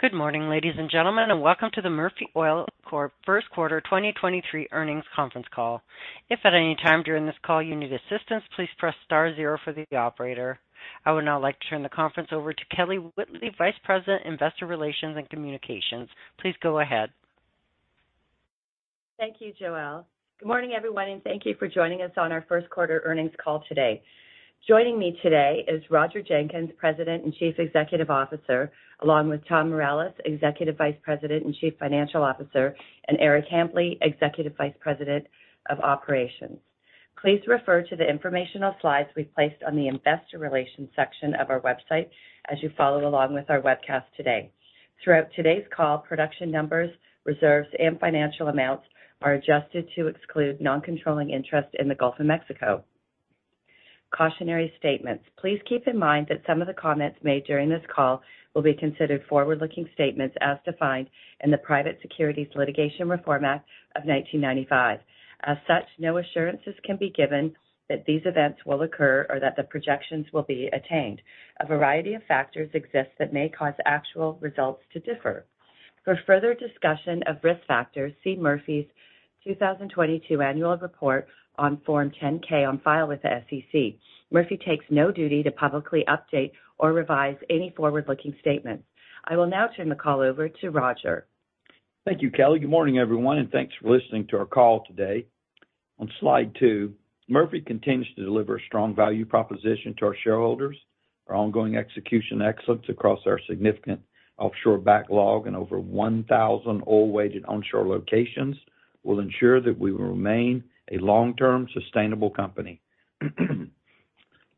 Good morning, ladies and gentlemen, and welcome to the Murphy Oil Corp First Quarter 2023 Earnings conference call. If at any time during this call you need assistance, please press star zero for the operator. I would now like to turn the conference over to Kelly Whitley, Vice President, Investor Relations and Communications. Please go ahead. Thank you, Joel. Good morning, everyone, and thank you for joining us on our first quarter earnings call today. Joining me today is Roger Jenkins, President and Chief Executive Officer, along with Tom Mireles, Executive Vice President and Chief Financial Officer, and Eric Hambly, Executive Vice President of Operations. Please refer to the informational slides we placed on the investor relations section of our website as you follow along with our webcast today. Throughout today's call, production numbers, reserves, and financial amounts are adjusted to exclude noncontrolling interest in the Gulf of Mexico. Cautionary statements. Please keep in mind that some of the comments made during this call will be considered forward-looking statements as defined in the Private Securities Litigation Reform Act of 1995. As such, no assurances can be given that these events will occur or that the projections will be attained. A variety of factors exist that may cause actual results to differ. For further discussion of risk factors, see Murphy's 2022 Annual Report on Form 10-K on file with the SEC. Murphy takes no duty to publicly update or revise any forward-looking statements. I will now turn the call over to Roger. Thank you, Kelly Whitley. Good morning, everyone, and thanks for listening to our call today. On slide two, Murphy continues to deliver strong value proposition to our shareholders. Our ongoing execution excellence across our significant offshore backlog and over 1,000 oil-weighted onshore locations will ensure that we will remain a long-term sustainable company.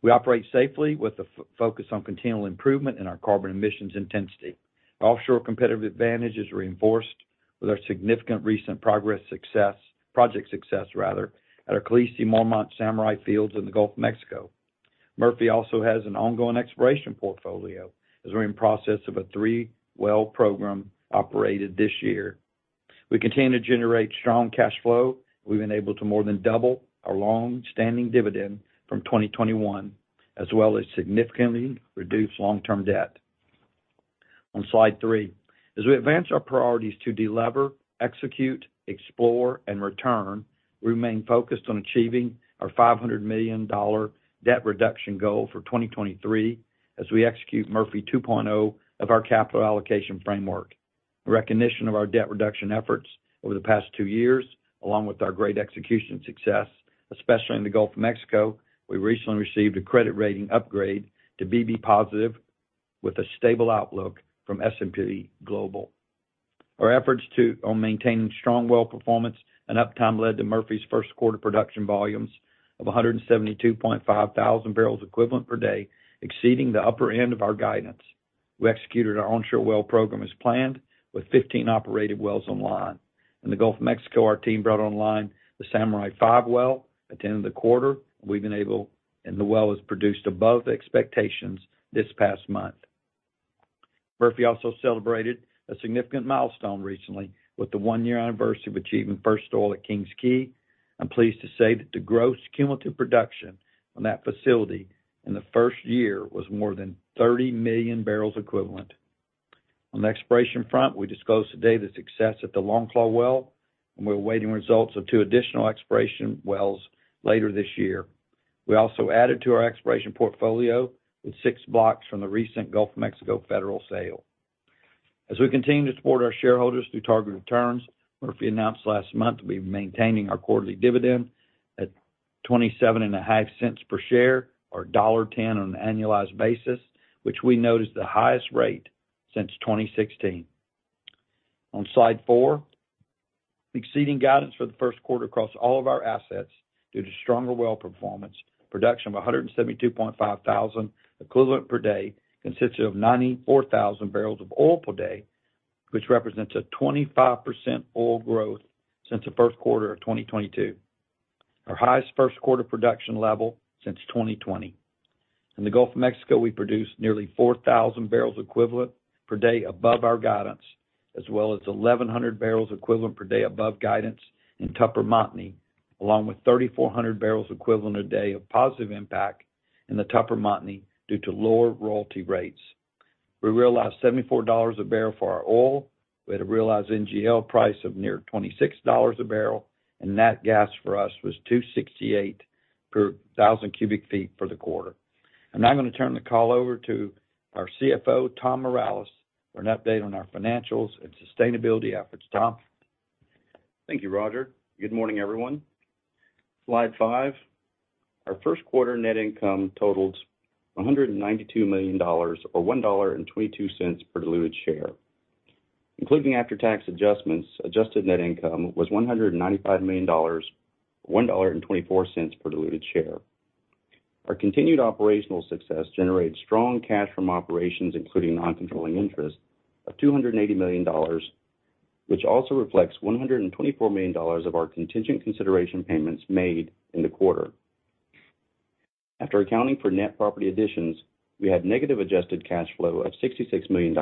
We operate safely with a focus on continual improvement in our carbon emissions intensity. Our offshore competitive advantage is reinforced with our significant recent project success at our Khaleesi and Mormont Samurai fields in the Gulf of Mexico. Murphy also has an ongoing exploration portfolio as we're in process of a 3-well program operated this year. We continue to generate strong cash flow. We've been able to more than double our long-standing dividend from 2021, as well as significantly reduce long-term debt. On slide three. As we advance our priorities to delever, execute, explore, and return, we remain focused on achieving our $500 million debt reduction goal for 2023 as we execute Murphy 2.0 of our capital allocation framework. In recognition of our debt reduction efforts over the past two years, along with our great execution success, especially in the Gulf of Mexico, we recently received a credit rating upgrade to BB+ with a stable outlook from S&P Global. Our efforts on maintaining strong well performance and uptime led to Murphy's first quarter production volumes of 172.5 thousand barrels equivalent per day, exceeding the upper end of our guidance. We executed our onshore well program as planned with 15 operated wells online. In the Gulf of Mexico, our team brought online the Samurai #5 well at the end of the quarter. The well has produced above expectations this past month. Murphy also celebrated a significant milestone recently with the one-year anniversary of achieving first oil at King's Quay. I'm pleased to say that the gross cumulative production on that facility in the first year was more than 30 million barrels equivalent. On the exploration front, we disclosed today the success at the Longclaw well, and we're awaiting results of two additional exploration wells later this year. We also added to our exploration portfolio with six blocks from the recent Gulf of Mexico federal sale. As we continue to support our shareholders through targeted returns, Murphy announced last month we're maintaining our quarterly dividend at twenty-seven and a half cents per share or $1.10 on an annualized basis, which we note is the highest rate since 2016. On slide four. Exceeding guidance for the first quarter across all of our assets due to stronger well performance. Production of 172.5 MBOEPD consists of 94,000 barrels of oil per day, which represents a 25% oil growth since the first quarter of 2022. Our highest first quarter production level since 2020. In the Gulf of Mexico, we produced nearly 4,000 barrels equivalent per day above our guidance, as well as 1,100 barrels equivalent per day above guidance in Tupper Montney, along with 3,400 barrels equivalent a day of positive impact in the Tupper Montney due to lower royalty rates. We realized $74 a barrel for our oil. We had a realized NGL price of near $26 a barrel. Net gas for us was $2.68 per thousand cubic feet for the quarter. I'm now gonna turn the call over to our CFO, Tom Mireles, for an update on our financials and sustainability efforts. Tom? Thank you, Roger. Good morning, everyone. Slide five. Our first quarter net income totaled $192 million or $1.22 per diluted share. Including after-tax adjustments, adjusted net income was $195 million, or $1.24 per diluted share. Our continued operational success generated strong cash from operations, including noncontrolling interest of $280 million, which also reflects $124 million of our contingent consideration payments made in the quarter. After accounting for net property additions, we had negative adjusted cash flow of $66 million,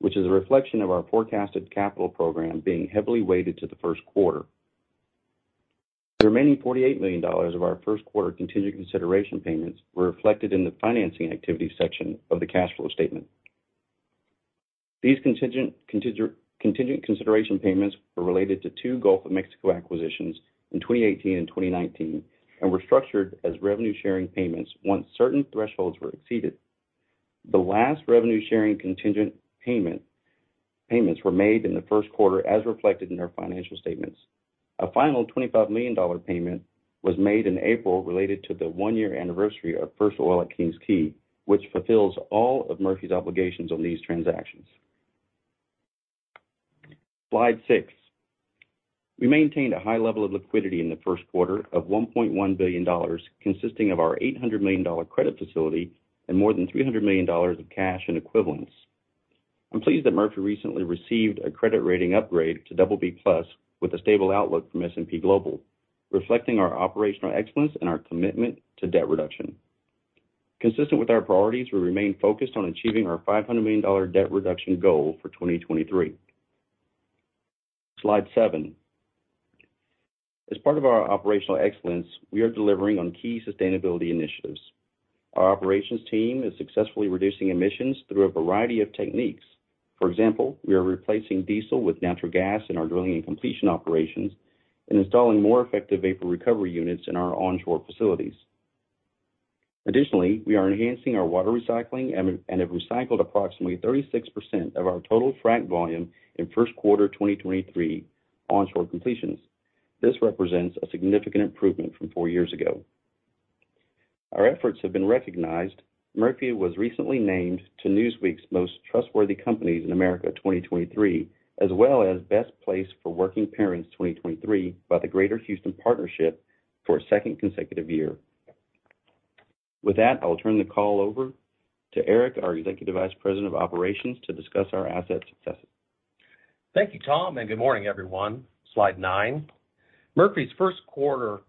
which is a reflection of our forecasted capital program being heavily weighted to the first quarter. The remaining $48 million of our first quarter contingent consideration payments were reflected in the financing activity section of the cash flow statement. These contingent consideration payments were related to two Gulf of Mexico acquisitions in 2018 and 2019, and were structured as revenue-sharing payments once certain thresholds were exceeded. The last revenue-sharing contingent payments were made in the first quarter, as reflected in our financial statements. A final $25 million payment was made in April related to the one-year anniversary of first oil at King's Quay, which fulfills all of Murphy's obligations on these transactions. Slide six. We maintained a high level of liquidity in the first quarter of $1.1 billion, consisting of our $800 million credit facility and more than $300 million of cash and equivalents. I'm pleased that Murphy recently received a credit rating upgrade to BB+ with a stable outlook from S&P Global, reflecting our operational excellence and our commitment to debt reduction. Consistent with our priorities, we remain focused on achieving our $500 million debt reduction goal for 2023. Slide seven. As part of our operational excellence, we are delivering on key sustainability initiatives. Our operations team is successfully reducing emissions through a variety of techniques. For example, we are replacing diesel with natural gas in our drilling and completion operations and installing more effective vapor recovery units in our onshore facilities. Additionally, we are enhancing our water recycling and have recycled approximately 36% of our total frack volume in first quarter 2023 onshore completions. This represents a significant improvement from four years ago. Our efforts have been recognized. Murphy was recently named to Newsweek's Most Trustworthy Companies in America 2023, as well as Best Place for Working Parents 2023 by the Greater Houston Partnership for a second consecutive year. With that, I will turn the call over to Eric, our Executive Vice President of Operations, to discuss our asset successes. Thank you, Tom. Good morning, everyone. Slide nine. Murphy's first quarter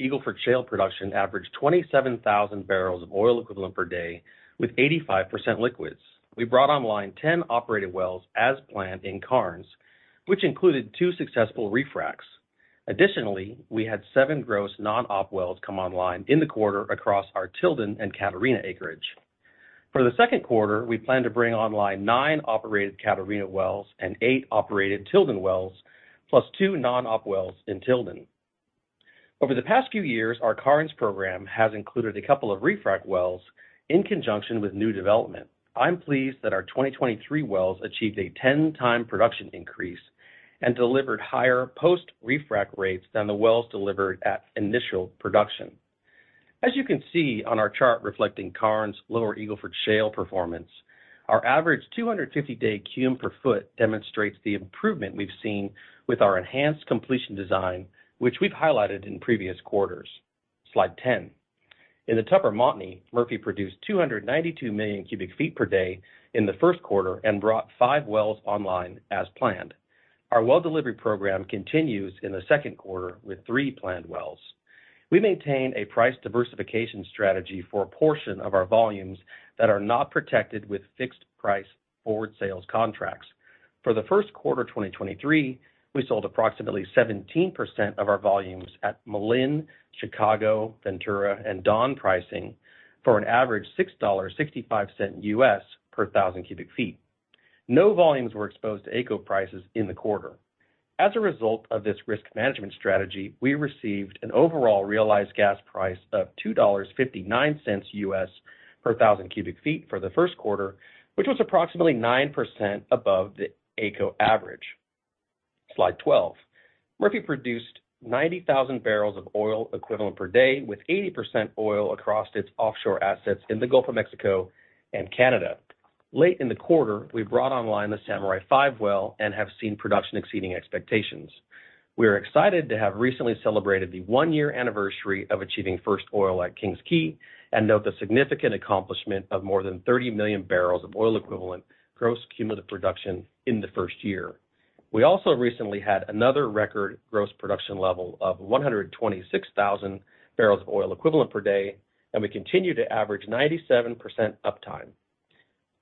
Eagle Ford Shale production averaged 27,000 barrels of oil equivalent per day with 85% liquids. We brought online 10 operated wells as planned in Karnes, which included two successful refracs. We had seven gross non-op wells come online in the quarter across our Tilden and Catarina acreage. For the second quarter, we plan to bring online nine operated Catarina wells and eight operated Tilden wells, plus two non-op wells in Tilden. Over the past few years, our Karnes program has included a couple of refrac wells in conjunction with new development. I'm pleased that our 2023 wells achieved a 10-time production increase and delivered higher post-refract rates than the wells delivered at initial production. As you can see on our chart reflecting Karnes Lower Eagle Ford Shale performance, our average 250 day cum per foot demonstrates the improvement we've seen with our enhanced completion design, which we've highlighted in previous quarters. Slide 10. In the Tupper Montney, Murphy produced 292 million cubic feet per day in the first quarter and brought 5 wells online as planned. Our well delivery program continues in the second quarter with 3 planned wells. We maintain a price diversification strategy for a portion of our volumes that are not protected with fixed price forward sales contracts. For the first quarter 2023, we sold approximately 17% of our volumes at Malin, Chicago, Ventura, and Dawn pricing for an average $6.65 per thousand cubic feet. No volumes were exposed to AECO prices in the quarter. As a result of this risk management strategy, we received an overall realized gas price of $2.59 per thousand cubic feet for the first quarter, which was approximately 9% above the AECO average. Slide 12. Murphy produced 90,000 barrels of oil equivalent per day with 80% oil across its offshore assets in the Gulf of Mexico and Canada. Late in the quarter, we brought online the Samurai #5 well and have seen production exceeding expectations. We are excited to have recently celebrated the one-year anniversary of achieving first oil at King's Quay and note the significant accomplishment of more than 30 million barrels of oil equivalent gross cumulative production in the first year. We also recently had another record gross production level of 126,000 barrels of oil equivalent per day, and we continue to average 97% uptime.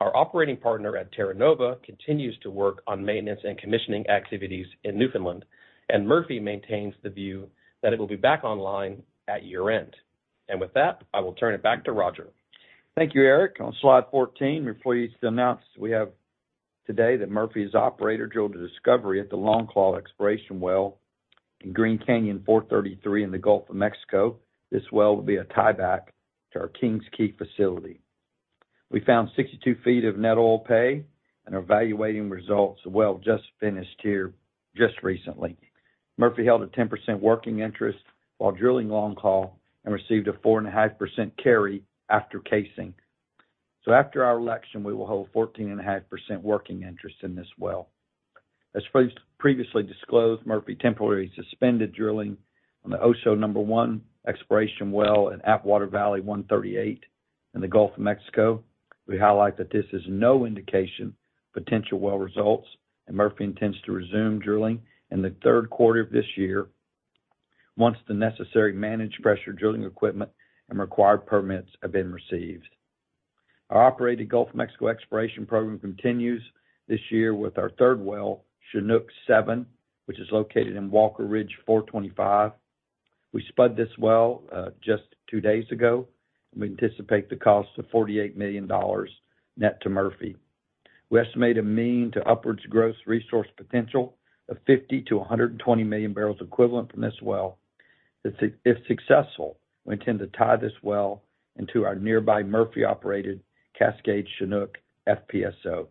Our operating partner at Terra Nova continues to work on maintenance and commissioning activities in Newfoundland, and Murphy maintains the view that it will be back online at year-end. With that, I will turn it back to Roger. Thank you, Eric. On slide 14, we're pleased to announce we have today that Murphy's operator drilled a discovery at the Longclaw exploration well in Green Canyon 433 in the Gulf of Mexico. This well will be a tieback to our King's Quay facility. We found 62 feet of net oil pay and are evaluating results. The well just finished here recently. Murphy held a 10% working interest while drilling Longclaw and received a 4.5% carry after casing. After our election, we will hold 14.5% working interest in this well. As previously disclosed, Murphy temporarily suspended drilling on the Oso number 1 exploration well at Atwater Valley 138 in the Gulf of Mexico. We highlight that this is no indication of potential well results, and Murphy intends to resume drilling in the third quarter of this year once the necessary managed pressure drilling equipment and required permits have been received. Our operated Gulf of Mexico exploration program continues this year with our third well, Chinook #7, which is located in Walker Ridge 425. We spud this well, just two days ago, we anticipate the cost of $48 million net to Murphy. We estimate a mean to upwards gross resource potential of 50 to 120 million barrels equivalent from this well. If successful, we intend to tie this well into our nearby Murphy-operated Cascade Chinook FPSO.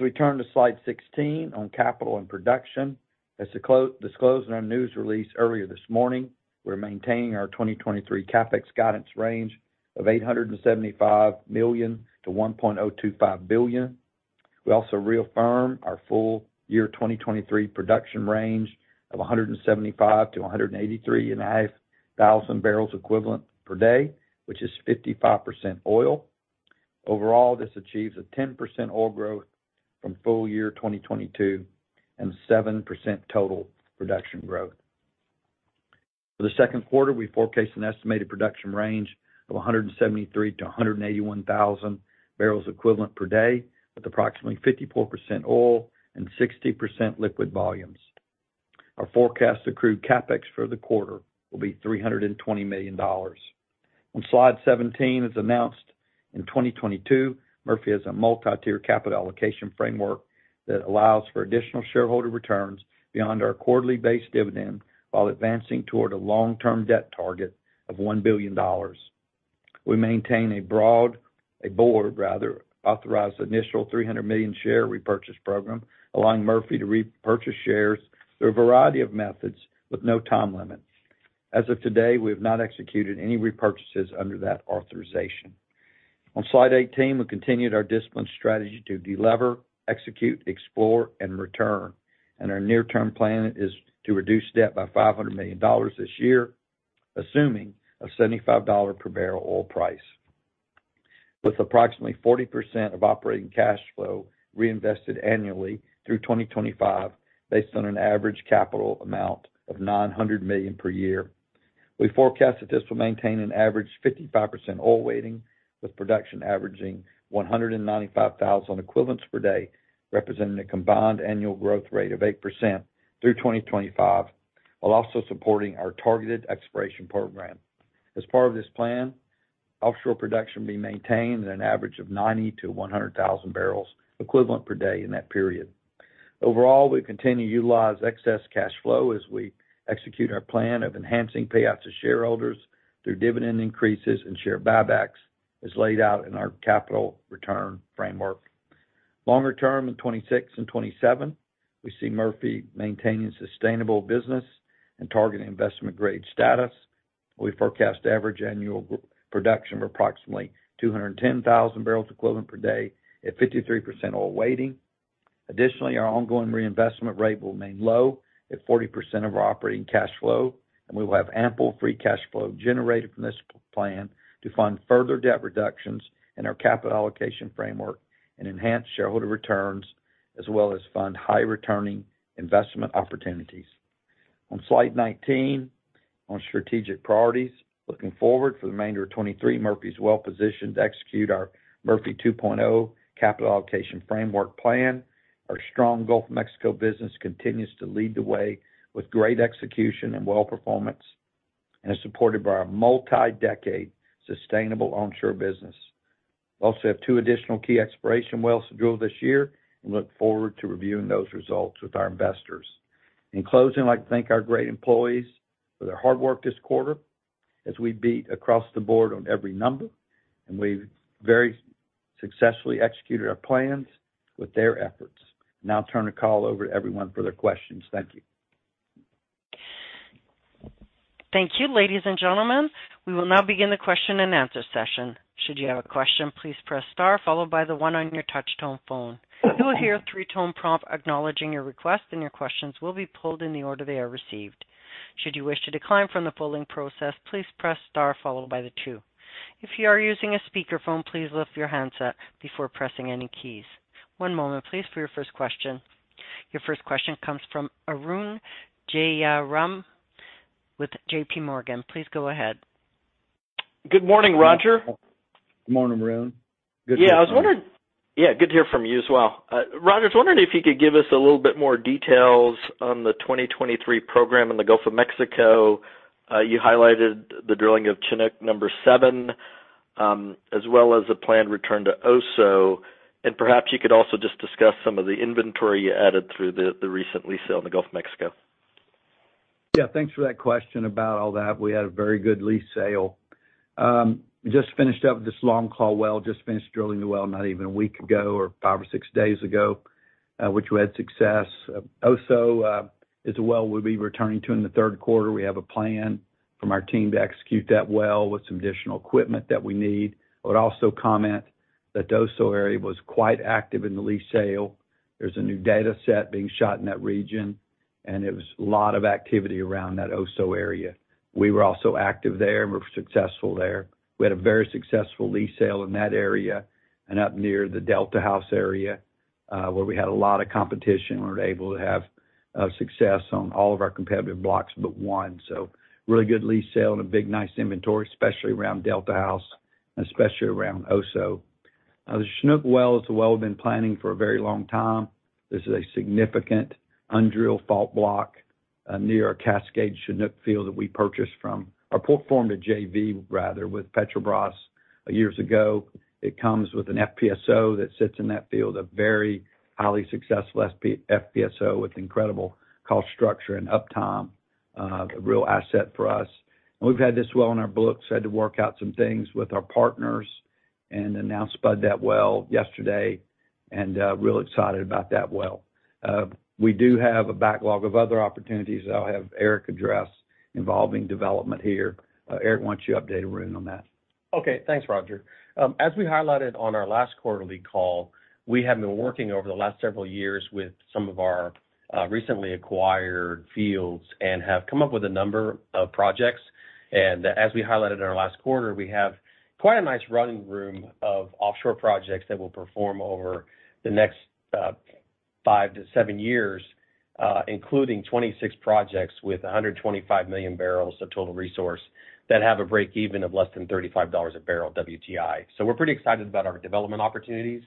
We turn to slide 16 on capital and production. As disclosed in our news release earlier this morning, we're maintaining our 2023 CapEx guidance range of $875 million to $1.025 billion. We also reaffirm our full year 2023 production range of 175-183.5 thousand barrels equivalent per day, which is 55% oil. Overall, this achieves a 10% oil growth from full year 2022 and 7% total production growth. For the second quarter, we forecast an estimated production range of 173-181 thousand barrels equivalent per day, with approximately 54% oil and 60% liquid volumes. Our forecast accrued CapEx for the quarter will be $320 million. On slide 17, as announced in 2022, Murphy has a multi-tier capital allocation framework that allows for additional shareholder returns beyond our quarterly-based dividend while advancing toward a long-term debt target of $1 billion. We maintain a board, rather, authorized initial 300 million share repurchase program, allowing Murphy to repurchase shares through a variety of methods with no time limits. As of today, we have not executed any repurchases under that authorization. On slide 18, we continued our disciplined strategy to de-lever, execute, explore, and return. Our near-term plan is to reduce debt by $500 million this year, assuming a $75 per barrel oil price. With approximately 40% of operating cash flow reinvested annually through 2025, based on an average capital amount of $900 million per year. We forecast that this will maintain an average 55% oil weighting, with production averaging 195,000 equivalents per day, representing a combined annual growth rate of 8% through 2025, while also supporting our targeted exploration program. As part of this plan, offshore production will be maintained at an average of 90-100 thousand barrels equivalent per day in that period. Overall, we continue to utilize excess cash flow as we execute our plan of enhancing payouts to shareholders through dividend increases and share buybacks, as laid out in our capital return framework. Longer term, in 2026 and 2027, we see Murphy maintaining sustainable business and targeting investment grade status. We forecast average annual production of approximately 210 thousand barrels equivalent per day at 53% oil weighting. Additionally, our ongoing reinvestment rate will remain low at 40% of our operating cash flow, and we will have ample free cash flow generated from this plan to fund further debt reductions in our capital allocation framework and enhance shareholder returns, as well as fund high returning investment opportunities. On slide 19, on strategic priorities. Looking forward for the remainder of 2023, Murphy's well-positioned to execute our Murphy 2.0 capital allocation framework plan. Our strong Gulf of Mexico business continues to lead the way with great execution and well performance, and is supported by our multi-decade sustainable onshore business. We also have two additional key exploration wells to drill this year and look forward to reviewing those results with our investors. In closing, I'd like to thank our great employees for their hard work this quarter as we beat across the board on every number, and we've very successfully executed our plans with their efforts. Now I'll turn the call over to everyone for their questions. Thank you. Thank you. Ladies and gentlemen, we will now begin the question-and-answer session. Should you have a question, please press star followed by the one on your touch tone phone. You will hear a three-tone prompt acknowledging your request, and your questions will be pulled in the order they are received. Should you wish to decline from the polling process, please press star followed by the two. If you are using a speakerphone, please lift your handset before pressing any keys. One moment please for your first question. Your first question comes from Arun Jayaram with JPMorgan. Please go ahead. Good morning, Roger. Morning, Arun. Good to hear from you. Yeah, I was wondering, yeah, good to hear from you as well. Roger, I was wondering if you could give us a little bit more details on the 2023 program in the Gulf of Mexico. You highlighted the drilling of Chinook #7 as well as the planned return to Oso. Perhaps you could also just discuss some of the inventory you added through the recent lease sale in the Gulf of Mexico. Yeah. Thanks for that question about all that. We had a very good lease sale. Just finished up this Long Claw well, just finished drilling the well not even a week ago or five or six days ago, which we had success. Oso is a well we'll be returning to in the third quarter. We have a plan from our team to execute that well with some additional equipment that we need. I would also comment that the Oso area was quite active in the lease sale. There's a new data set being shot in that region, and it was a lot of activity around that Oso area. We were also active there and were successful there. We had a very successful lease sale in that area and up near the Delta House area, where we had a lot of competition. We were able to have success on all of our competitive blocks but one. Really good lease sale and a big nice inventory, especially around Delta House, especially around OSO. The Chinook Well is a well we've been planning for a very long time. This is a significant undrilled fault block near our Cascade Chinook field that we purchased from or performed a JV rather, with Petrobras years ago. It comes with an FPSO that sits in that field, a very highly successful FPSO with incredible cost structure and uptime, a real asset for us. We've had this well on our books, had to work out some things with our partners and announced spud that well yesterday, real excited about that well. We do have a backlog of other opportunities that I'll have Eric address involving development here. Eric, why don't you update Arun on that? Okay. Thanks, Roger. As we highlighted on our last quarterly call, we have been working over the last several years with some of our recently acquired fields and have come up with a number of projects. As we highlighted in our last quarter, we have quite a nice running room of offshore projects that will perform over the next five to seven years, including 26 projects with 125 million barrels of total resource that have a break-even of less than $35 a barrel WTI. We're pretty excited about our development opportunities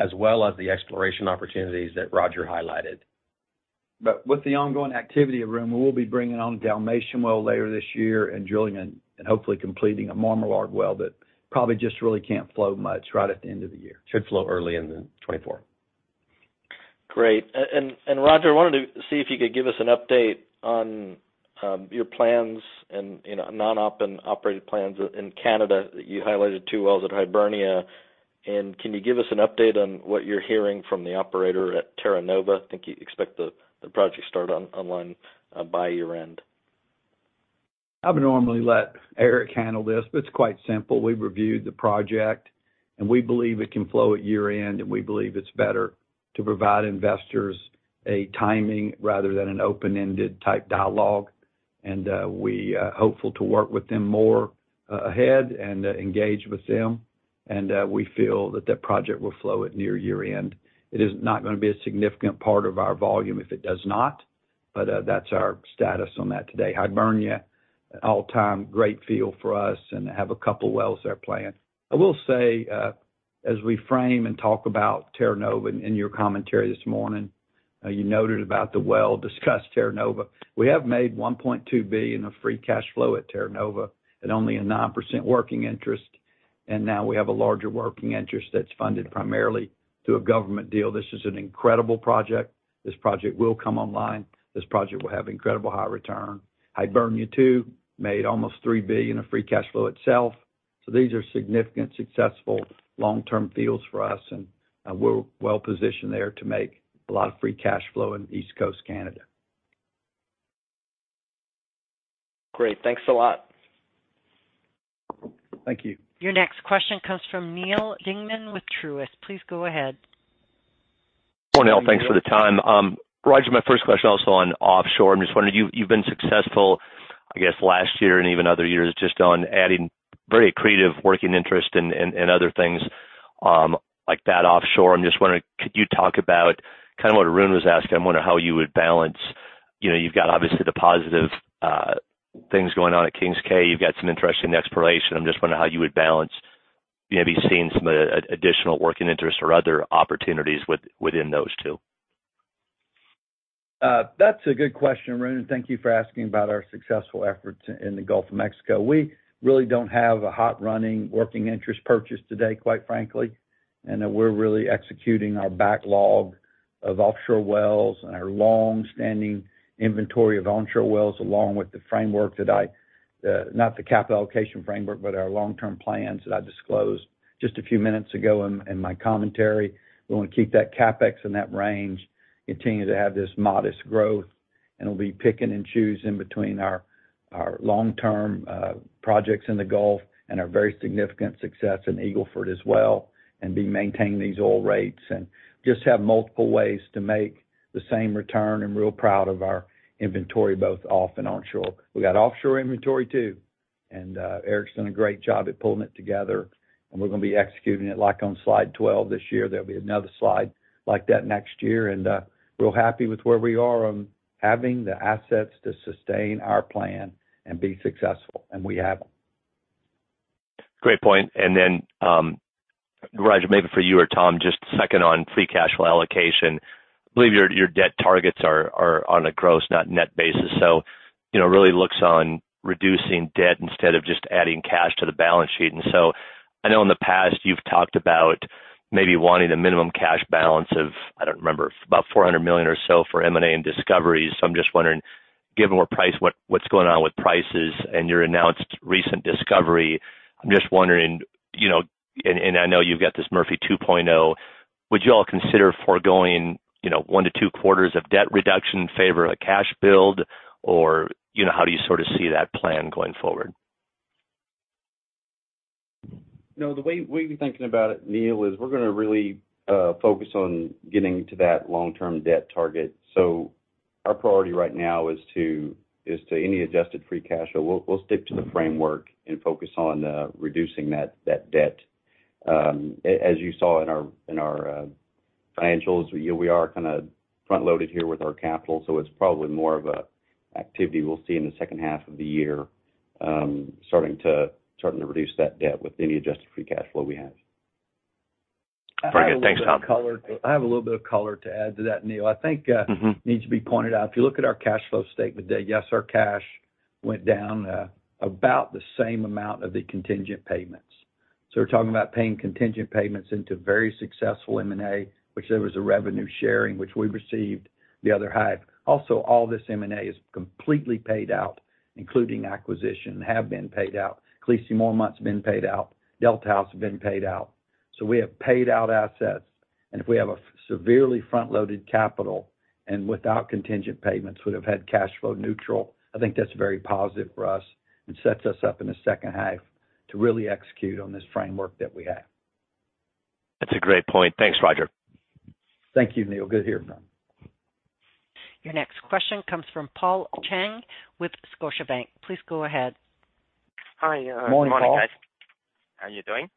as well as the exploration opportunities that Roger highlighted. With the ongoing activity, Arun, we'll be bringing on Dalmatian well later this year and drilling and hopefully completing a Marmalard well that probably just really can't flow much right at the end of the year. Should flow early in 2024. Great. And Roger, I wanted to see if you could give us an update on your plans and, you know, non-op and operated plans in Canada. You highlighted two wells at Hibernia. Can you give us an update on what you're hearing from the operator at Terra Nova? I think you expect the project start online by year-end. I would normally let Eric handle this, but it's quite simple. We've reviewed the project, and we believe it can flow at year-end, and we believe it's better to provide investors a timing rather than an open-ended type dialogue. We are hopeful to work with them more ahead and engage with them. We feel that that project will flow at near year-end. It is not gonna be a significant part of our volume if it does not, but that's our status on that today. Hibernia, all-time great field for us and have a couple wells there planned. I will say, as we frame and talk about Terra Nova in your commentary this morning, you noted about the well-discussed Terra Nova. We have made $1.2 billion in a free cash flow at Terra Nova at only a 9% working interest. Now we have a larger working interest that's funded primarily through a government deal. This is an incredible project. This project will come online. This project will have incredible high return. Hibernia too, made almost $3 billion in a free cash flow itself. These are significant, successful long-term fields for us, and we're well-positioned there to make a lot of free cash flow in East Coast Canada. Great. Thanks a lot. Thank you. Your next question comes from Neal Dingmann with Truist. Please go ahead. Morning all, thank you for the time. Roger Jenkins, my first question also on offshore. I'm just wondering, you've been successful, I guess, last year and even other years just on adding very accretive working interest and other things, like that offshore. I'm just wondering, could you talk about kind of what Arun Jayaram was asking? I'm wondering how you would balance, you know, you've got obviously the positive things going on at King's Quay. You've got some interesting exploration. I'm just wondering how you would balance maybe seeing some additional working interest or other opportunities within those two? That's a good question, Neil, and thank you for asking about our successful efforts in the Gulf of Mexico. We really don't have a hot running working interest purchase today, quite frankly. We're really executing our backlog of offshore wells and our long-standing inventory of onshore wells, along with the framework that I, not the capital allocation framework, but our long-term plans that I disclosed just a few minutes ago in my commentary. We want to keep that CapEx in that range, continue to have this modest growth, and we'll be picking and choosing between our long-term projects in the Gulf and our very significant success in Eagle Ford as well, and be maintaining these oil rates and just have multiple ways to make the same return. I'm real proud of our inventory, both off and onshore. We got offshore inventory too, and Eric's done a great job at pulling it together, and we're gonna be executing it like on slide 12 this year. There'll be another slide like that next year. Real happy with where we are on having the assets to sustain our plan and be successful, and we have them. Great point. Roger Jenkins, maybe for you or Tom Mireles, just second on free cash flow allocation. I believe your debt targets are on a gross, not net basis. You know, really looks on reducing debt instead of just adding cash to the balance sheet. I know in the past you've talked about maybe wanting a minimum cash balance of, I don't remember, about $400 million or so for M&A and discoveries. I'm just wondering, given what's going on with prices and your announced recent discovery, I'm just wondering, you know, and I know you've got this Murphy 2.0, would you all consider foregoing, you know, one to two quarters of debt reduction in favor of a cash build? You know, how do you sort of see that plan going forward? No, the way we're thinking about it, Neil, is we're gonna really focus on getting to that long-term debt target. Our priority right now is to any adjusted free cash flow, we'll stick to the framework and focus on reducing that debt. As you saw in our financials, year we are kind of front-loaded here with our capital. It's probably more of a activity we'll see in the second half of the year, starting to reduce that debt with any adjusted free cash flow we have. Frank, thanks, Tom. I have a little bit of color to add to that, Neil. I think needs to be pointed out. If you look at our cash flow statement there, yes, our cash went down about the same amount of the contingent payments. We're talking about paying contingent payments into very successful M&A, which there was a revenue sharing, which we received the other half. All this M&A is completely paid out, including acquisition, have been paid out. Khaleesi, Mormont's been paid out. Delta House has been paid out. We have paid out assets. If we have a severely front-loaded capital and without contingent payments, would have had cash flow neutral. I think that's very positive for us and sets us up in the second half to really execute on this framework that we have. That's a great point. Thanks, Roger. Thank you, Neil. Good to hear from. Your next question comes from Paul Cheng with Scotiabank. Please go ahead. Hi. Morning, Paul. Good morning, guys. How are you doing?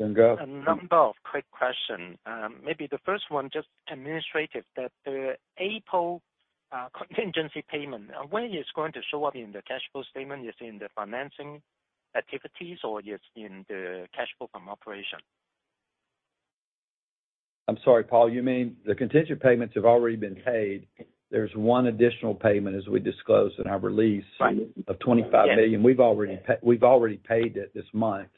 Doing good. A number of quick question. Maybe the first one just administrative, that the April contingency payment, when it's going to show up in the cash flow statement, is it in the financing activities or it's in the cash flow from operation? I'm sorry, Paul. You mean the contingent payments have already been paid. There's one additional payment, as we disclosed in our release- Right. -of $25 million. We've already paid it this month.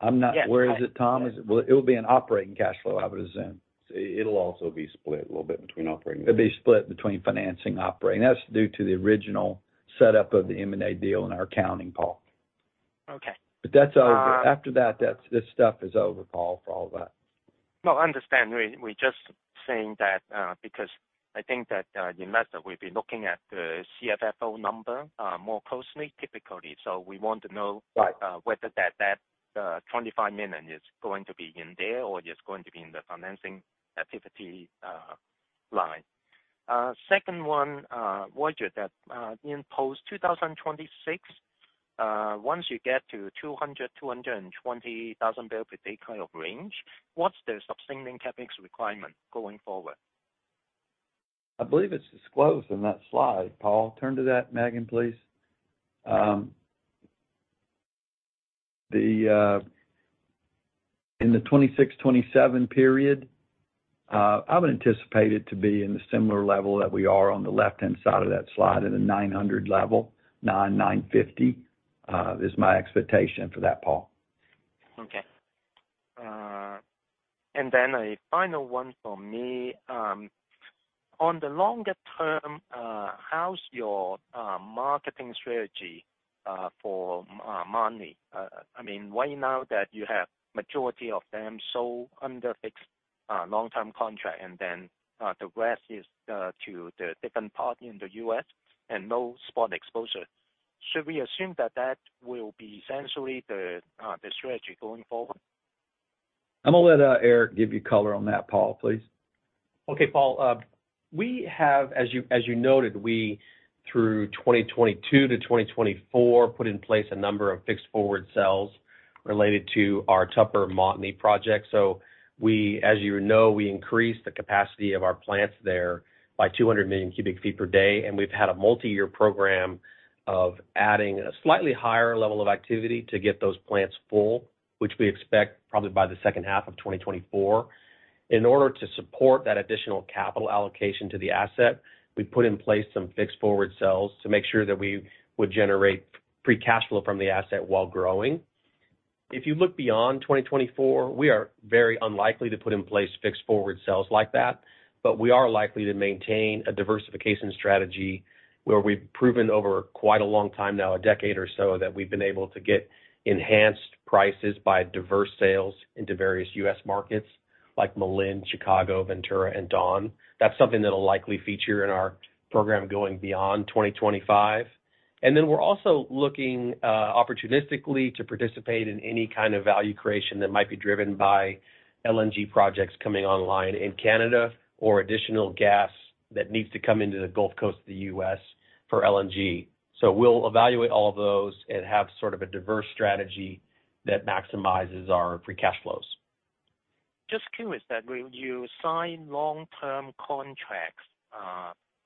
I'm not- Yes. Where is it, Tom? Well, it will be in operating cash flow, I would assume. It'll also be split a little bit between operating- It'd be split between financing and operating. That's due to the original setup of the M&A deal in our accounting, Paul. Okay. That's over. After that, this stuff is over, Paul, for all that. No, I understand. We just saying that, because I think that the investor will be looking at the CFFO number more closely, typically. We want to know- Right. whether that, $25 million is going to be in there or it's going to be in the financing activity, line. Second one, Roger, that, in post 2026, once you get to 200,000-220,000 barrel per day kind of range, what's the sustaining CapEx requirement going forward? I believe it's disclosed in that slide, Paul. Turn to that, Megan, please. In the 2026, 2027 period, I would anticipate it to be in the similar level that we are on the left-hand side of that slide at a 900 level. 900, 950 is my expectation for that, Paul. Okay. A final one for me. On the longer term, how's your marketing strategy for Montney? I mean, right now that you have majority of them sold under fixed, long-term contract, and then the rest is to the different party in the U.S. and no spot exposure. Should we assume that that will be essentially the strategy going forward? I'm gonna let, Eric give you color on that, Paul, please. Okay, Paul. We have, as you noted, we through 2022 to 2024, put in place a number of fixed forward sales related to our Tupper Montney project. As you know, we increased the capacity of our plants there by 200 million cubic feet per day, and we've had a multi-year program of adding a slightly higher level of activity to get those plants full, which we expect probably by the second half of 2024. In order to support that additional capital allocation to the asset, we put in place some fixed forward sales to make sure that we would generate free cash flow from the asset while growing. If you look beyond 2024, we are very unlikely to put in place fixed forward sales like that. We are likely to maintain a diversification strategy where we've proven over quite a long time now, a decade or so, that we've been able to get enhanced prices by diverse sales into various U.S. markets like Malin, Chicago, Ventura and Dawn. That's something that'll likely feature in our program going beyond 2025. We're also looking opportunistically to participate in any kind of value creation that might be driven by LNG projects coming online in Canada or additional gas that needs to come into the Gulf Coast of the U.S. for LNG. We'll evaluate all of those and have sort of a diverse strategy that maximizes our free cash flows. Just curious that will you sign long-term contracts,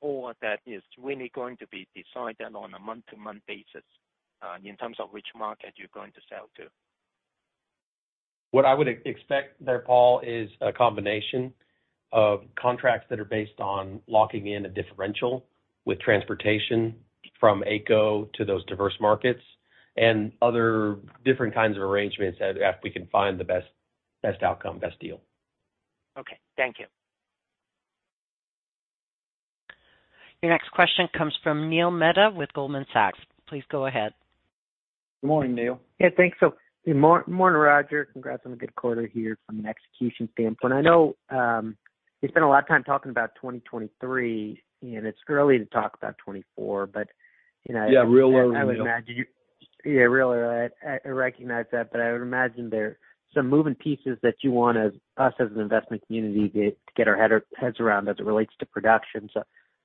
or that is really going to be decided on a month-to-month basis, in terms of which market you're going to sell to? What I would expect there, Paul, is a combination of contracts that are based on locking in a differential with transportation from AECO to those diverse markets and other different kinds of arrangements if we can find the best outcome, best deal. Okay. Thank you. Your next question comes from Neil Mehta with Goldman Sachs. Please go ahead. Good morning, Neil. Yeah, thanks. Good morning, Roger. Congrats on a good quarter here from an execution standpoint. I know, you spent a lot of time talking about 2023, and it's early to talk about 2024. You know... Yeah, real early, Neil. I would imagine Yeah, really I recognize that, but I would imagine there some moving pieces that you want us as an investment community to get our heads around as it relates to production.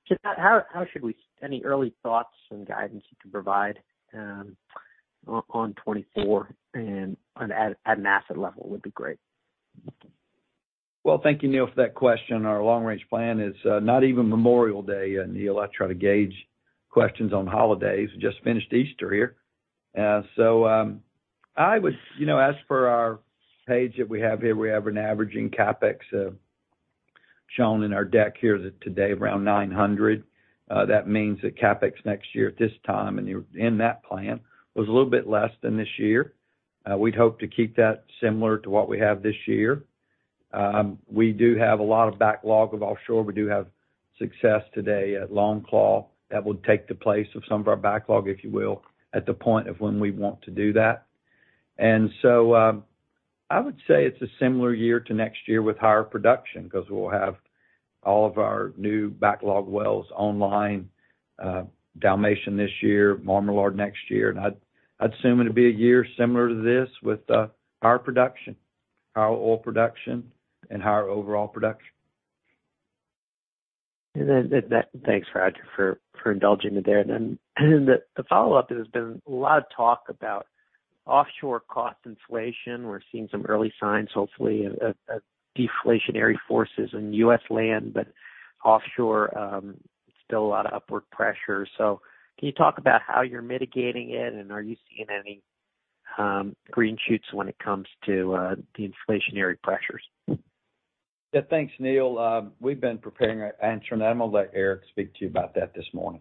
Just how should we any early thoughts and guidance you can provide on 2024 and at an asset level would be great? Well, thank you, Neil, for that question. Our long range plan is not even Memorial Day. Neil, I try to gauge questions on holidays. We just finished Easter here. I would, you know, as for our page that we have here, we have an averaging CapEx shown in our deck here today around $900 million. That means that CapEx next year at this time and you're in that plan, was a little bit less than this year. We'd hope to keep that similar to what we have this year. We do have a lot of backlog of offshore. We do have success today at Long Claw that will take the place of some of our backlog, if you will, at the point of when we want to do that. I would say it's a similar year to next year with higher production because we'll have all of our new backlog wells online, Dalmatian this year, Marmalard next year. I'd assume it'd be a year similar to this with higher production, higher oil production, and higher overall production. Thanks, Roger, for indulging me there. The follow-up, there's been a lot of talk about offshore cost inflation. We're seeing some early signs, hopefully of deflationary forces in U.S. land, but offshore, still a lot of upward pressure. Can you talk about how you're mitigating it? Are you seeing any green shoots when it comes to the inflationary pressures? Yeah. Thanks, Neil. We've been preparing an answer on that. I'm gonna let Eric speak to you about that this morning.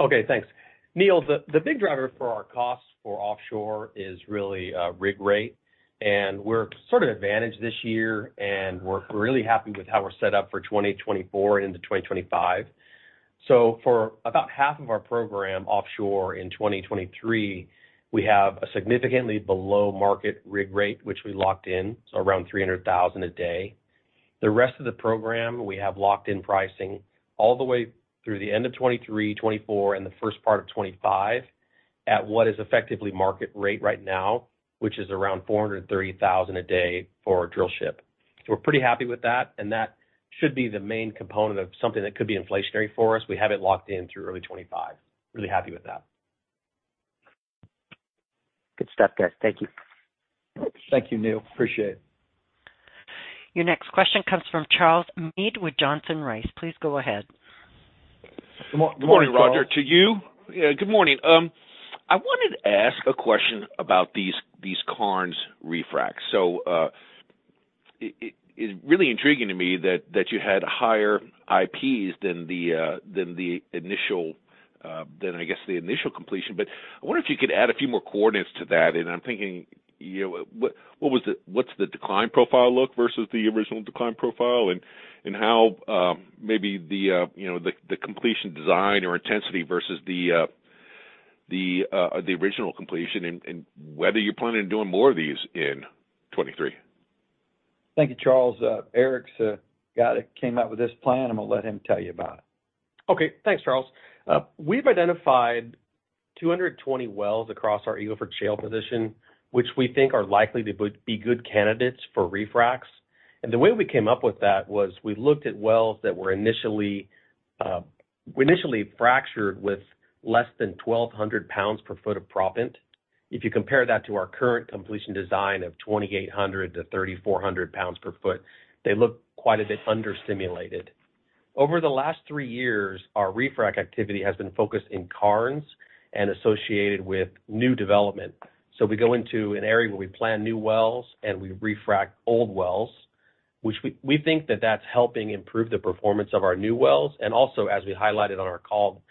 Okay, thanks. Neil, the big driver for our costs for offshore is really rig rate, we're sort of advantaged this year, and we're really happy with how we're set up for 2024 into 2025. For about half of our program offshore in 2023, we have a significantly below market rig rate, which we locked in around $300,000 a day. The rest of the program, we have locked in pricing all the way through the end of 2023, 2024, and the first part of 2025 at what is effectively market rate right now, which is around $430,000 a day for a drill ship. We're pretty happy with that should be the main component of something that could be inflationary for us. We have it locked in through early 2025. Really happy with that. Good stuff, guys. Thank you. Thank you, Neil Mehta. Appreciate it. Your next question comes from Charles Meade with Johnson Rice. Please go ahead. Good morning, Roger, to you. Good morning, Charles. Good morning. I wanted to ask a question about these Karnes refracs. It's really intriguing to me that you had higher IPs than the initial, than, I guess, the initial completion. I wonder if you could add a few more coordinates to that. I'm thinking, you know, what's the decline profile look versus the original decline profile? How, you know, the completion design or intensity versus the original completion, and whether you're planning on doing more of these in 2023. Thank you, Charles. Eric's the guy that came up with this plan. I'm gonna let him tell you about it. Okay. Thanks, Charles. We've identified 220 wells across our Eagle Ford Shale position, which we think are likely to be good candidates for refracs. The way we came up with that was we looked at wells that were initially fractured with less than 1,200 pounds per foot of proppant. If you compare that to our current completion design of 2,800-3,400 pounds per foot, they look quite a bit understimulated. Over the last three years, our refrac activity has been focused in Karnes and associated with new development. We go into an area where we plan new wells and we refrac old wells, which we think that that's helping improve the performance of our new wells. As we highlighted on our call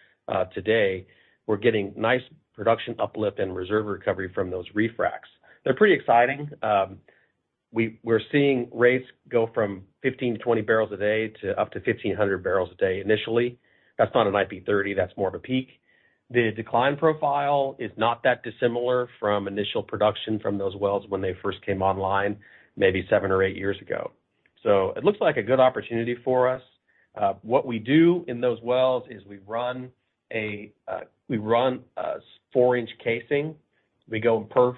today, we're getting nice production uplift and reserve recovery from those refracs. They're pretty exciting. We're seeing rates go from 15 to 20 barrels a day to up to 1,500 barrels a day initially. That's not an IP30. That's more of a peak. The decline profile is not that dissimilar from initial production from those wells when they first came online, maybe seven or eight years ago. It looks like a good opportunity for us. What we do in those wells is we run a, we run a four-inch casing. We go and perf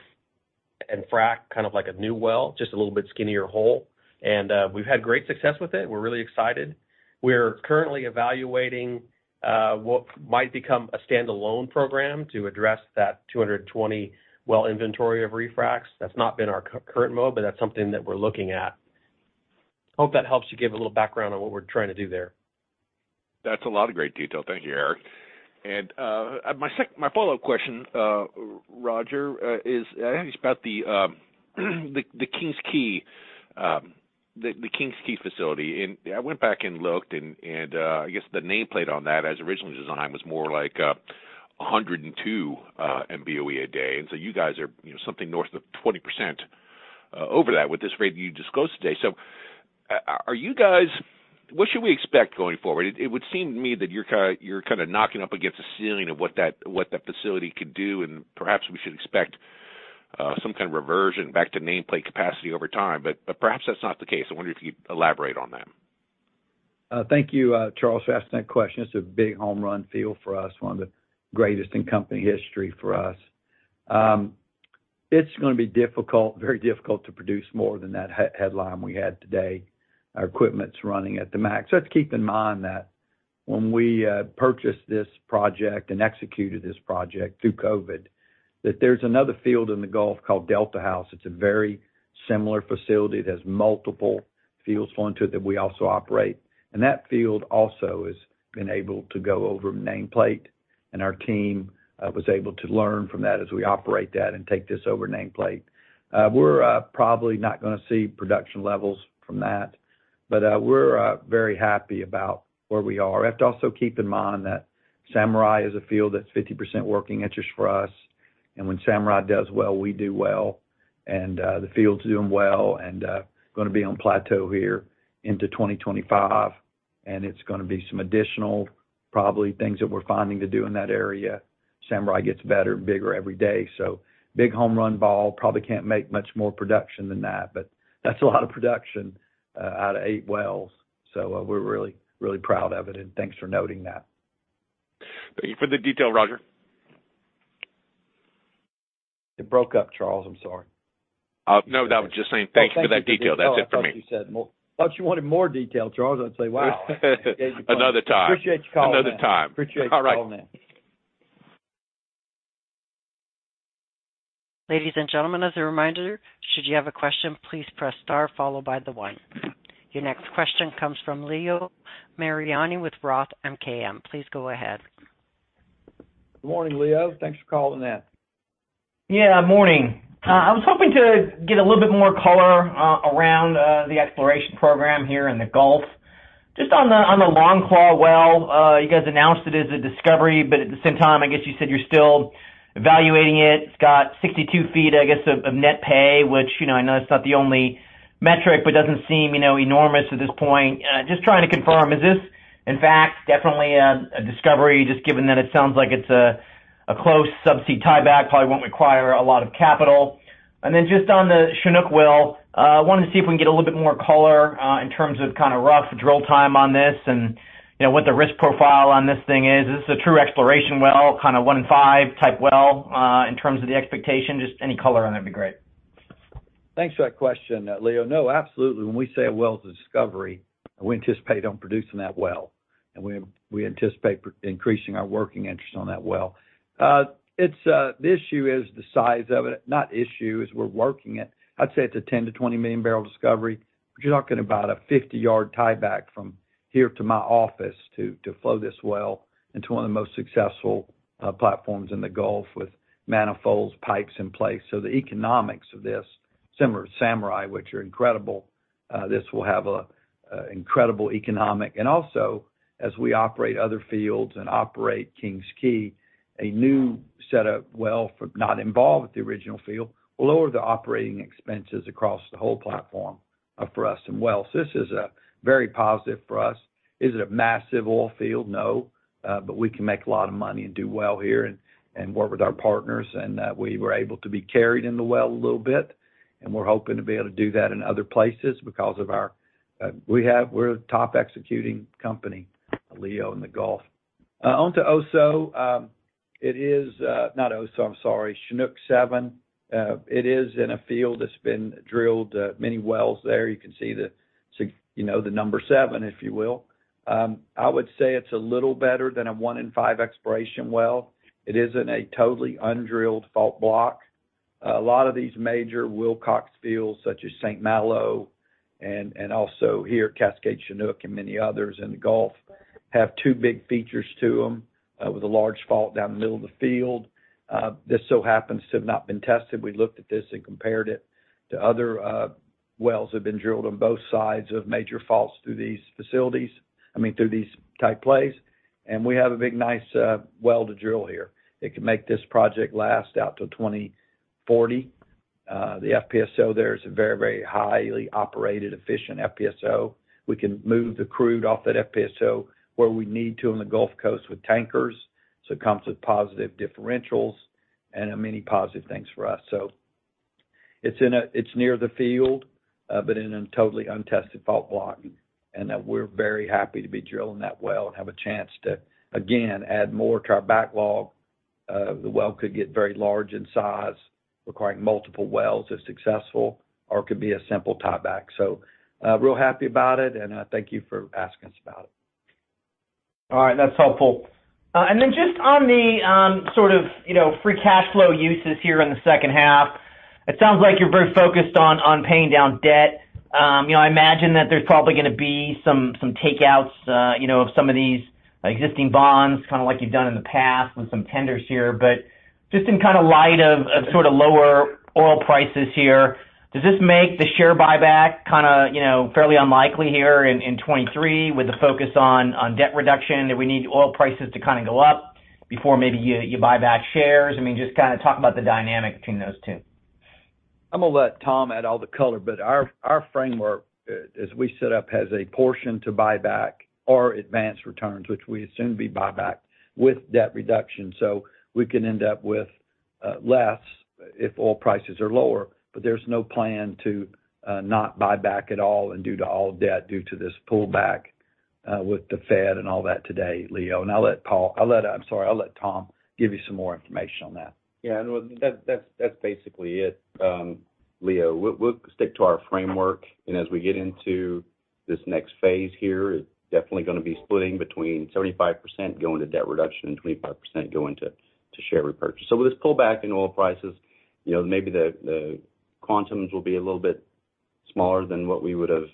and frac, kind of like a new well, just a little bit skinnier hole. We've had great success with it. We're really excited. We're currently evaluating what might become a standalone program to address that 220 well inventory of refracs. That's not been our current mode, but that's something that we're looking at. Hope that helps to give a little background on what we're trying to do there. That's a lot of great detail. Thank you, Eric. My follow-up question, Roger, is, I think it's about the King's Quay, the King's Quay facility. I went back and looked, I guess the nameplate on that as originally designed was more like 102 MBOEPD day. You guys are, you know, something north of 20% over that with this rate that you disclosed today. What should we expect going forward? It would seem to me that you're kind of knocking up against the ceiling of what that facility could do, and perhaps we should expect some kind of reversion back to nameplate capacity over time. Perhaps that's not the case. I wonder if you'd elaborate on that. Thank you, Charles, for asking that question. It's a big home run feel for us, one of the greatest in company history for us. It's gonna be difficult, very difficult to produce more than that headline we had today. Our equipment's running at the max. Let's keep in mind that when we purchased this project and executed this project through COVID, that there's another field in the Gulf called Delta House. It's a very similar facility. It has multiple fields going to it that we also operate. That field also has been able to go over nameplate, and our team was able to learn from that as we operate that and take this over nameplate. We're probably not gonna see production levels from that, but we're very happy about where we are. We have to also keep in mind that Samurai is a field that's 50% working interest for us, and when Samurai does well, we do well. The field's doing well, gonna be on plateau here into 2025, and it's gonna be some additional, probably things that we're finding to do in that area. Samurai gets better and bigger every day, so big home run ball, probably can't make much more production than that. That's a lot of production out of eight wells. We're really, really proud of it, and thanks for noting that. Thank you for the detail, Roger. It broke up, Charles, I'm sorry. No, that was just saying thank you for that detail. That's it for me. I thought you wanted more detail, Charles. I'd say, "Wow. Another time. Appreciate your call. Another time. Appreciate your call, man. All right. Ladies and gentlemen, as a reminder, should you have a question, please press star followed by the one. Your next question comes from Leo Mariani with Roth MKM. Please go ahead. Good morning, Leo. Thanks for calling in. Yeah, morning. I was hoping to get a little bit more color around the exploration program here in the Gulf. Just on The Long Claw well, you guys announced it as a discovery, but at the same time, I guess you said you're still evaluating it. It's got 62 feet, I guess, of net pay, which, you know, I know it's not the only metric, but doesn't seem, you know, enormous at this point. Just trying to confirm, is this, in fact, definitely a discovery, just given that it sounds like it's a close sub-sea tieback, probably won't require a lot of capital? Just on the Chinook well, wanted to see if we can get a little bit more color, in terms of kind of rough drill time on this and, you know, what the risk profile on this thing is? Is this a true exploration well, kind of one in five type well, in terms of the expectation? Just any color on that'd be great. Thanks for that question, Leo. No, absolutely. When we say a well's a discovery, we anticipate on producing that well, and we anticipate increasing our working interest on that well. It's the issue is the size of it. Not issue, is we're working it. I'd say it's a 10-20 million barrel discovery. You're talking about a 50-yard tieback from here to my office to flow this well into one of the most successful platforms in the Gulf with manifolds, pipes in place. The economics of this, similar to Samurai, which are incredible, this will have a incredible economic. Also, as we operate other fields and operate King's Quay, a new set of well not involved with the original field, will lower the operating expenses across the whole platform for us. Well, this is very positive for us. Is it a massive oil field? No. We can make a lot of money and do well here and work with our partners. We were able to be carried in the well a little bit, and we're hoping to be able to do that in other places because of our, we're a top executing company, Leo, in the Gulf. Onto Oso. Not Oso, I'm sorry, Chinook #7. It is in a field that's been drilled, many wells there. You can see, you know, the #7, if you will. I would say it's a little better than a one in five exploration well. It isn't a totally undrilled fault block. A lot of these major Wilcox fields, such as St. Malo and also here, Cascade, Chinook, and many others in the Gulf, have two big features to them with a large fault down the middle of the field. This so happens to have not been tested. We looked at this and compared it to other wells that have been drilled on both sides of major faults through these facilities, I mean, through these tight plays. We have a big, nice well to drill here. It can make this project last out till 2040. The FPSO there is a very highly operated, efficient FPSO. We can move the crude off that FPSO where we need to on the Gulf Coast with tankers, so it comes with positive differentials and many positive things for us. It's near the field, but in a totally untested fault block, and that we're very happy to be drilling that well and have a chance to again add more to our backlog. The well could get very large in size, requiring multiple wells if successful, or it could be a simple tieback. Real happy about it, and, thank you for asking us about it. All right. That's helpful. Just on the, sort of, you know, free cash flow uses here in the second half, it sounds like you're very focused on paying down debt. you know, I imagine that there's probably gonna be some takeouts, you know, of some of these existing bonds, kind of like you've done in the past with some tenders here. Just in kind of light of sort of lower oil prices here, does this make the share buyback kinda, you know, fairly unlikely here in 2023 with the focus on debt reduction? Do we need oil prices to kind of go up before maybe you buy back shares? I mean, just kind of talk about the dynamic between those two. I'm gonna let Tom add all the color, but our framework, as we set up, has a portion to buy back or advance returns, which we assume to be buyback with debt reduction. We can end up with less if oil prices are lower, but there's no plan to not buy back at all and due to all debt due to this pullback. With the Fed and all that today, Leo. I'm sorry, I'll let Tom give you some more information on that. Yeah. No, that's basically it, Leo. We'll stick to our framework. As we get into this next phase here, it's definitely gonna be splitting between 75% going to debt reduction and 25% going to share repurchase. With this pullback in oil prices, you know, maybe the quantums will be a little bit smaller than what we would have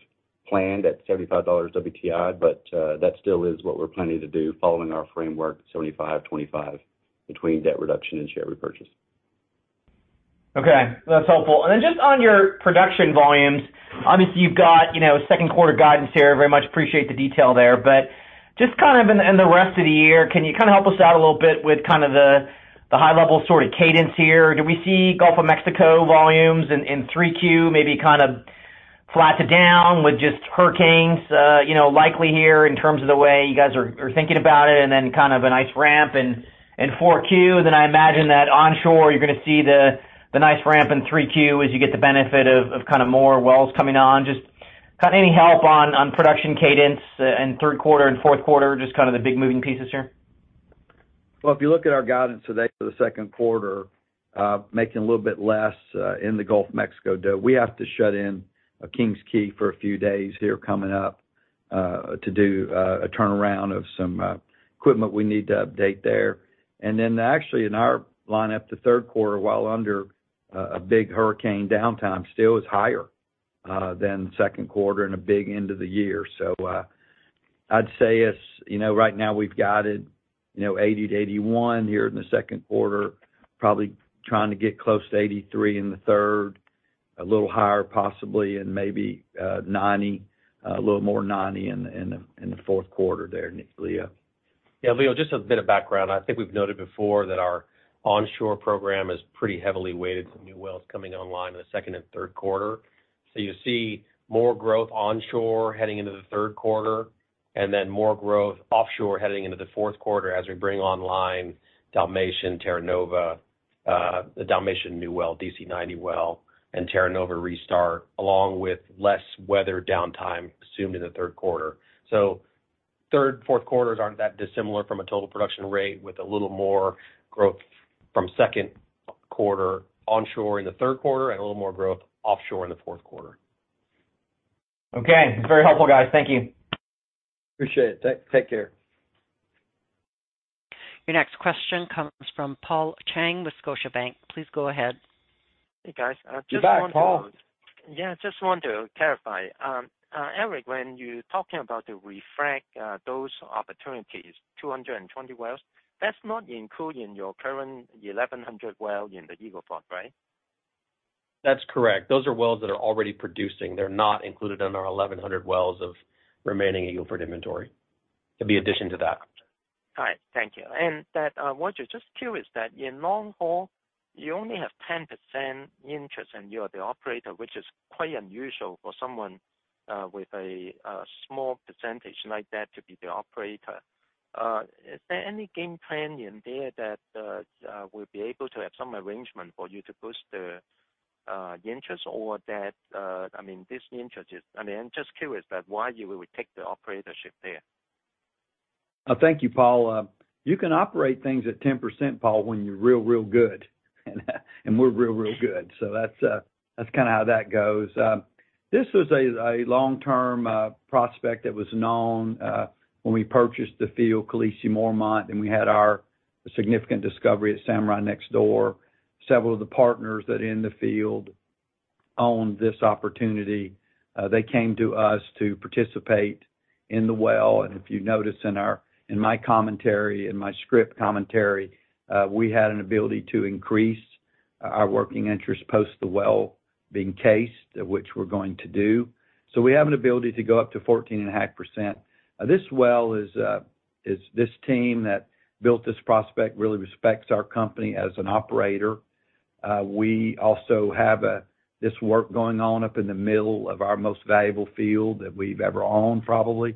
planned at $75 WTI, but that still is what we're planning to do following our framework, 75/25 between debt reduction and share repurchase. Okay. That's helpful. Just on your production volumes, obviously, you've got, you know, second quarter guidance here. I very much appreciate the detail there. Just kind of in the rest of the year, can you kind of help us out a little bit with kind of the high level sort of cadence here? Do we see Gulf of Mexico volumes in 3Q maybe kind of flat to down with just hurricanes, you know, likely here in terms of the way you guys are thinking about it, and then kind of a nice ramp in 4Q? I imagine that onshore, you're gonna see the nice ramp in 3Q as you get the benefit of kind of more wells coming on. Just kind of any help on production cadence, in third quarter and fourth quarter, just kind of the big moving pieces here. If you look at our guidance today for the second quarter, making a little bit less in the Gulf of Mexico, though we have to shut in King's Quay for a few days here coming up, to do a turnaround of some equipment we need to update there. Actually in our lineup to third quarter, while under a big hurricane downtime, still is higher than second quarter and a big end of the year. I'd say it's, you know, right now we've guided, you know, 80-81 MBOEPD here in the second quarter, probably trying to get close to 83 MBOEPD in the third, a little higher possibly and maybe 90 MBOEPD, a little more 90 MBOEPD in the fourth quarter there, Leo. Leo, just a bit of background. I think we've noted before that our onshore program is pretty heavily weighted with new wells coming online in the second and third quarter. You'll see more growth onshore heading into the third quarter, and then more growth offshore heading into the fourth quarter as we bring online Dalmatian, Terra Nova, the Dalmatian new well, DC 90 well, and Terra Nova restart, along with less weather downtime assumed in the third quarter. Third, fourth quarters aren't that dissimilar from a total production rate with a little more growth from second quarter onshore in the third quarter and a little more growth offshore in the fourth quarter. Okay. It's very helpful, guys. Thank you. Appreciate it. Take care. Your next question comes from Paul Cheng with Scotiabank. Please go ahead. Hey, guys. You're back, Paul. I just want to clarify. Eric, when you're talking about the refrac, those opportunities, 220 wells, that's not included in your current 1,100 well in the Eagle Ford, right? That's correct. Those are wells that are already producing. They're not included in our 1,100 wells of remaining Eagle Ford inventory. It'll be addition to that. All right. Thank you. That, Roger, just curious that in Longhorn, you only have 10% interest, and you're the operator, which is quite unusual for someone with a small percentage like that to be the operator. Is there any game plan in there that we'll be able to have some arrangement for you to boost the interest or that? I mean, I'm just curious that why you would take the operatorship there. Thank you, Paul. You can operate things at 10%, Paul, when you're real good. We're real good. That's kinda how that goes. This was a long-term prospect that was known when we purchased the field, Khaleesi Mormont, and we had our significant discovery at Samurai next door. Several of the partners that are in the field own this opportunity. They came to us to participate in the well. If you notice in my commentary, in my script commentary, we had an ability to increase our working interest post the well being cased, which we're going to do. We have an ability to go up to 14.5%. This well is this team that built this prospect, really respects our company as an operator. We also have this work going on up in the middle of our most valuable field that we've ever owned, probably.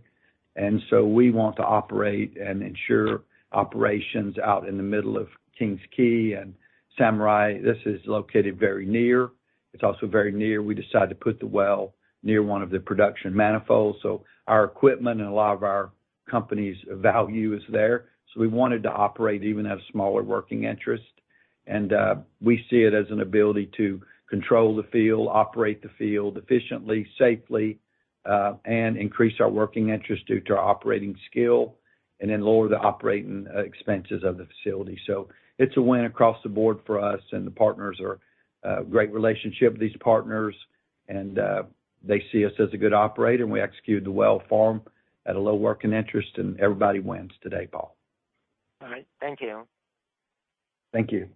We want to operate and ensure operations out in the middle of King's Quay and Samurai. This is located very near. It's also very near. We decided to put the well near one of the production manifolds. Our equipment and a lot of our company's value is there. We wanted to operate even at a smaller working interest. We see it as an ability to control the field, operate the field efficiently, safely, and increase our working interest due to our operating skill and then lower the operating expenses of the facility. It's a win across the board for us, and the partners are, great relationship with these partners, and they see us as a good operator, and we execute the well farm at a low working interest, and everybody wins today, Paul. All right. Thank you. Thank you.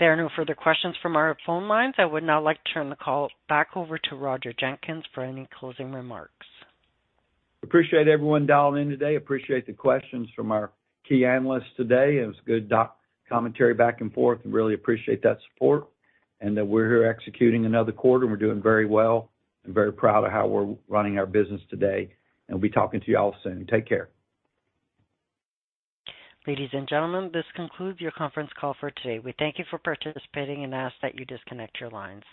There are no further questions from our phone lines. I would now like to turn the call back over to Roger Jenkins for any closing remarks. Appreciate everyone dialing in today. Appreciate the questions from our key analysts today. It was good commentary back and forth. We really appreciate that support. That we're here executing another quarter, and we're doing very well, and very proud of how we're running our business today. We'll be talking to you all soon. Take care. Ladies and gentlemen, this concludes your conference call for today. We thank you for participating and ask that you disconnect your lines.